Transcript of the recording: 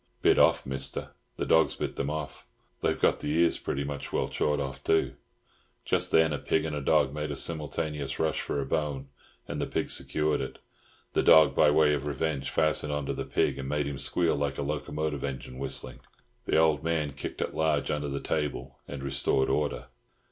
"Bit off, Mister. The dogs bit them off. They've got the ears pretty well chawed off 'em too." Just then a pig and a dog made a simultaneous rush for a bone, and the pig secured it. The dog, by way of revenge, fastened on to the pig, and made him squeal like a locomotive engine whistling. The old man kicked at large under the table, and restored order.